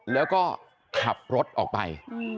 แล้วก็ขับรถออกไป